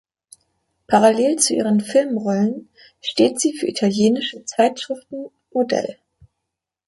Parallel zu ihren Filmrollen steht sie für italienische Zeitschriften Modell.